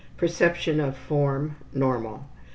Perception of form, normal.